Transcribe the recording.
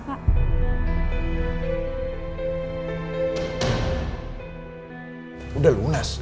semuanya sudah lunas kok pak